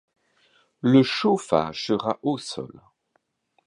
le chauffage sera au sol